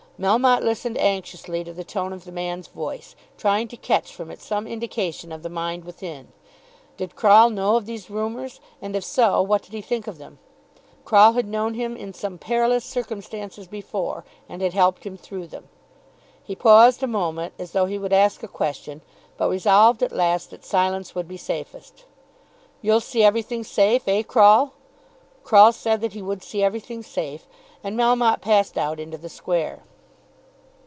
Melmotte listened anxiously to the tone of the man's voice, trying to catch from it some indication of the mind within. Did Croll know of these rumours, and if so, what did he think of them? Croll had known him in some perilous circumstances before, and had helped him through them. He paused a moment as though he would ask a question, but resolved at last that silence would be safest. "You'll see everything safe, eh, Croll?" Croll said that he would see everything safe, and Melmotte passed out into the Square.